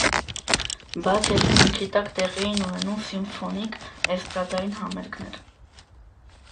Բաց երկնքի տակ տեղի էին ունենում սիմֆոնիկ, էստրադային համերգներ։